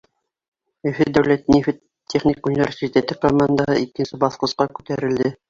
Өфө дәүләт нефть техник университеты командаһы икенсе баҫҡысҡа күтәрелде.